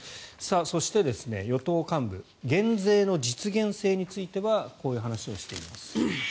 そして与党幹部減税の実現性についてはこういう話をしています。